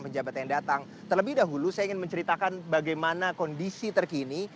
pejabat yang datang terlebih dahulu saya ingin menceritakan bagaimana kondisi terkini